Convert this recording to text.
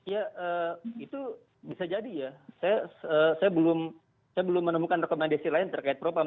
ya itu bisa jadi ya saya belum menemukan rekomendasi lain terkait propam